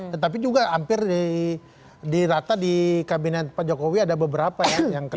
tetapi juga hampir di rata di kabinet pak jokowi ada beberapa ya yang kena